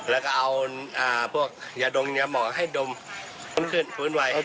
แล้วก็เอาพวกยาดงเงียบเหมาะให้ดมลุกขึ้นพื้นไว